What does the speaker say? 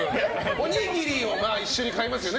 おにぎりを一緒に買いますよね。